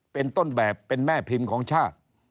เป็นต้นแบบเป็นแม่พิมพ์ของชาติ